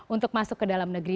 untuk masuk ke dalam negeri